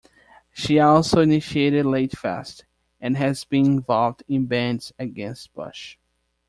She also initiated Ladyfest and has been involved in Bands Against Bush.